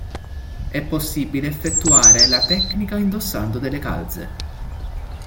È possibile effettuare la tecnica indossando delle calze.